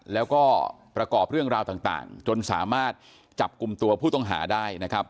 แล้วก็ประกอบเรื่องราวต่างจนสามารถจับกลุ่มตัวผู้ต้องหาได้นะครับ